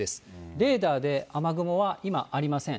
レーダーで今、雨雲がありません。